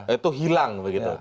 itu hilang begitu